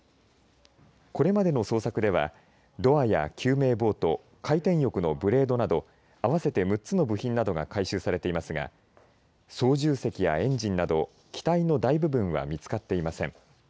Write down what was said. これまでの捜索ではドアや救命ボート回転翼のブレードなど合わせて６つの部品などが回収されていますが操縦席やエンジンなど機体の大部分は見つかっていません。